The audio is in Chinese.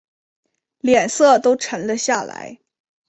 脸色都沉了下来